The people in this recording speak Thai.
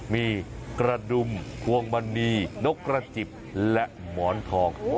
มีกระดุมพวงมณีนกกระจิบและหมอนทอง